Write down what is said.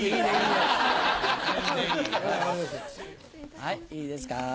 はいいいですか。